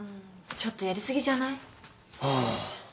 ちょっとやりすぎじゃない？ああ。